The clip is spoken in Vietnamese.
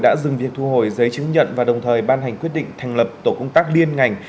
đã dừng việc thu hồi giấy chứng nhận và đồng thời ban hành quyết định thành lập tổ công tác liên ngành